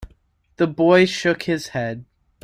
The boy shook his head.